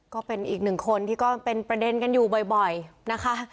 ก็เป็นอีกหนึ่งคนที่ก็เป็นประเด็นกันอยู่บ่อยนะคะ